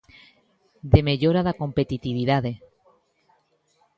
De mellora da competitividade.